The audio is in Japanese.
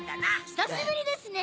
久しぶりですね。